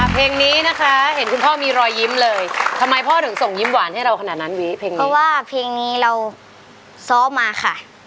เพลงนี้นะคะเห็นคุณพ่อมีรอยยิ้มเลยทำไมพ่อถึงส่งยิ้มหวานให้เราขนาดนั้นวิเพลงนี้เพราะว่าเพลงนี้เราซ้อมมาค่ะ